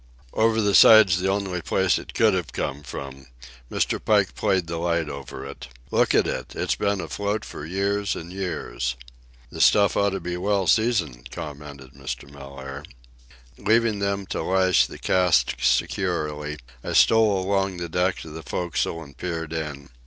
"Over the side's the only place it could have come from." Mr. Pike played the light over it. "Look at it! It's been afloat for years and years." "The stuff ought to be well seasoned," commented Mr. Mellaire. Leaving them to lash the cask securely, I stole along the deck to the forecastle and peered in.